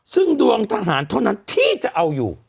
ซึ่งดวงทหารเท่านั้นที่จะเอาอยู่